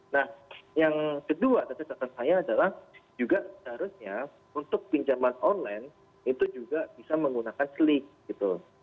nah yang kedua tentu catatan saya adalah juga seharusnya untuk pinjaman online itu juga bisa menggunakan slik gitu